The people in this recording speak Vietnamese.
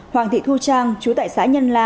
hoàng thị thu trang chú tại xã nhân la